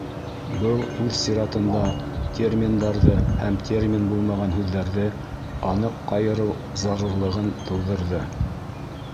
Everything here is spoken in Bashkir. Был, үҙ сиратында, терминдарҙы һәм термин булмаған һүҙҙәрҙе аныҡ айырыу зарурлығын тыуҙырҙы.